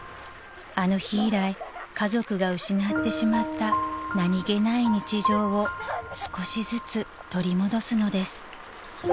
［あの日以来家族が失ってしまった何げない日常を少しずつ取り戻すのです］